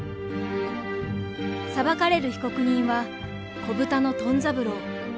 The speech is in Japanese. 裁かれる被告人はこぶたのトン三郎。